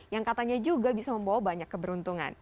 yang katanya juga bisa membawa banyak keberuntungan